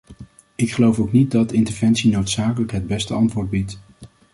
Ik geloof ook niet dat interventie noodzakelijk het beste antwoord biedt.